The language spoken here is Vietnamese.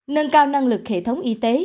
nâng cao năng lực hệ thống y tế